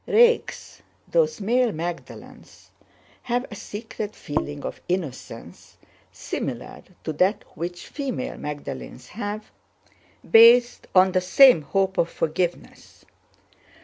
Rakes, those male Magdalenes, have a secret feeling of innocence similar to that which female Magdalenes have, based on the same hope of forgiveness.